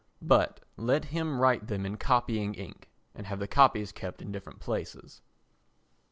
But let him write them in copying ink and have the copies kept in different places.